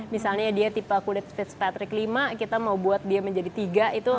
misalnya dia kulit fitzpatrick lima kita mau buat dia menjadi tiga itu tidak bisa